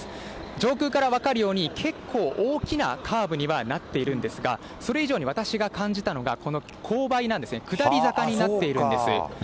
上空から分かるように、結構大きなカーブにはなっているんですが、それ以上に私が感じたのが、この勾配なんですね、下り坂になっているんです。